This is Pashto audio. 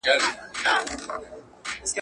لاري خالي دي له انسانانو.